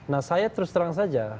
nah saya terus terang saja